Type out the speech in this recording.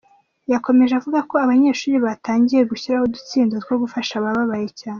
Yakomeje avuga ko abanyeshuri batangiye gushyiraho udutsinda two gufasha abababaye cyane.